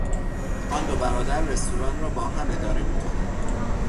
آن دو برادر رستوران رابا هم اداره میکنند.